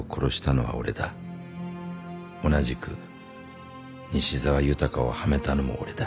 「同じく西沢豊をはめたのも俺だ」